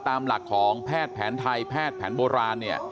ตามหลักของแพทย์แผนไทยแพทย์แผนโบราณเนี่ย